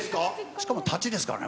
しかも立ちですからね。